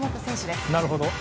なるほど。